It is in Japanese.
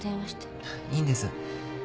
いいんです。